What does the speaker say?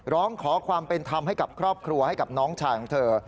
ร้องขอความเป็นธรรมให้กับครอบครัวให้กับน้องชายของเธอ